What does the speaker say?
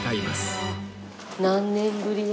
何年ぶりの。